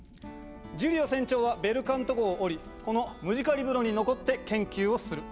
ジュリオ船長はベルカント号をおりこのムジカリブロに残って研究をする。